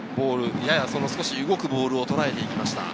少し動くボールをとらえていきました。